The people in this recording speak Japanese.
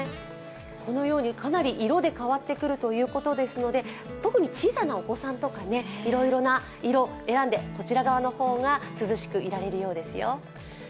このように、かなり色で変わってくるということなので特に小さなお子さんとかいろいろな色を選んでこちら側の方が涼しくいられるようですよ。